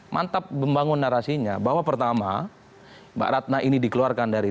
mantap membangun narasinya bahwa pertama mbak ratna ini dikeluarkan dari